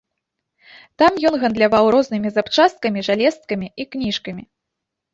Там ён гандляваў рознымі запчасткамі, жалезкамі і кніжкамі.